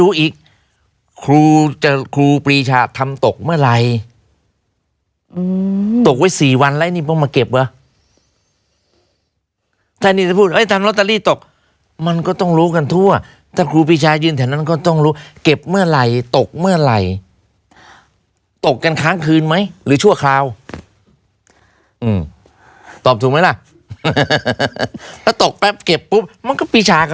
อัศวินธรรมชาติอัศวินธรรมชาติอัศวินธรรมชาติอัศวินธรรมชาติอัศวินธรรมชาติอัศวินธรรมชาติอัศวินธรรมชาติอัศวินธรรมชาติอัศวินธรรมชาติอัศวินธรรมชาติอัศวินธรรมชาติอัศวินธรรมชาติอัศวินธรรมชาติอั